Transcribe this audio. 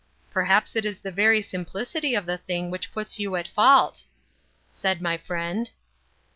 "Perhaps it is the very simplicity of the thing which puts you at fault," said my friend.